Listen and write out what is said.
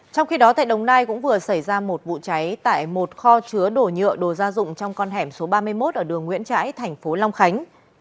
trong khi đó tại đồng nai cũng vừa xảy ra một vụ cháy tại một kho chứa đổ nhựa đồ gia dụng trong con hẻm số ba mươi một ở đường nguyễn trãi thành phố long khánh